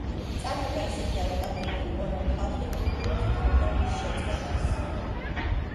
წამება ისეთი აუტანელი იყო, რომ ხალხი ყვირილით ითხოვდა მის შეწყვეტას.